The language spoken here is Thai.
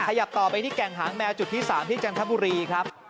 ขยับต่อไปที่แก่งหางแมวจุดที่๓ที่จันทบุรีครับ